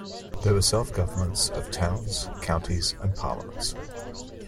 There were self-governments of towns, counties and parliaments.